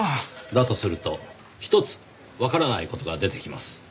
だとすると１つわからない事が出てきます。